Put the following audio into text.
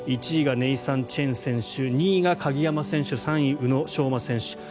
１位がネイサン・チェン選手２位が鍵山選手３位、宇野昌磨選手。